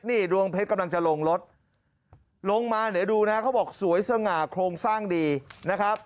นี่ดวงเพชรกำลังจะลงรถลงมาเดี๋ยวดูนะเขาบอกสวยสง่าโครงสร้างดีนะครับ